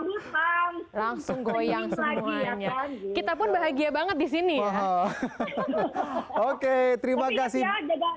kita sudah misal langsung goyang semuanya kita pun bahagia banget di sini oke terima kasih ya jebak